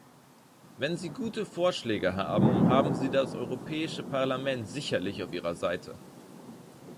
Wenn Sie gute Vorschläge haben, haben Sie das Europäische Parlament sicherlich auf Ihrer Seite!